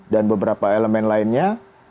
dan beberapa elemen lainnya